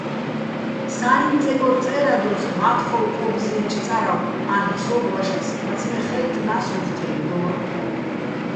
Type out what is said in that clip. საჲიჼ წეგორ წე́რადოს მა́თხოვ ყო́ბზჲიენჩო̆ წარავ - ა́ლ'იჼ სო́გო̆ ვაშას, მაცმე́ ხაჲტტნა́ს, უ̂ხ თე́გდო́რ.